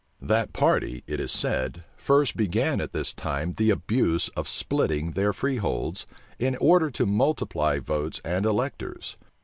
That party, it is said, first began at this time the abuse of splitting their freeholds, in order to multiply votes and electors.